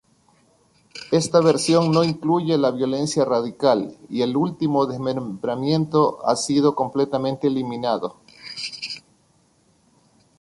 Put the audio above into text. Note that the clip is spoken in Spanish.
Esta versión no incluye la violencia radical; y el desmembramiento ha sido completamente eliminado.